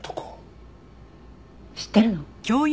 知ってるの？